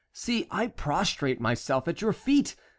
See, I prostrate myself at your feet.